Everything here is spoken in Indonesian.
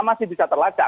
masih bisa terlacak